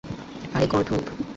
আরে, গর্দভ!